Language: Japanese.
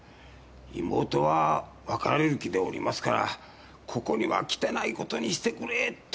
妹は別れる気でおりますから「ここには来てないことにしてくれ」と泣き付かれまして。